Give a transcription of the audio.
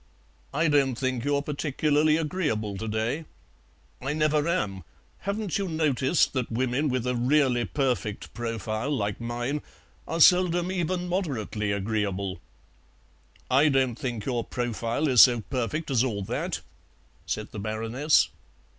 "I don't think you're particularly agreeable to day." "I never am. Haven't you noticed that women with a really perfect profile like mine are seldom even moderately agreeable?" "I don't think your profile is so perfect as all that," said the Baroness.